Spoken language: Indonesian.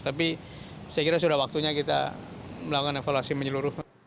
tapi saya kira sudah waktunya kita melakukan evaluasi menyeluruh